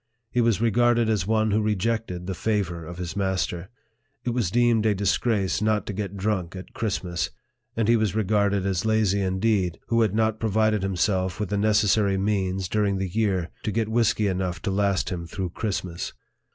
He was regarded as one who rejected the favor of his master. It was deemed a disgrace not to get drunk at Christmas ; and he was regarded as lazy indeed, who had not provided himself with the necessary means, during the year, to get whisky enough to last him through Christmas.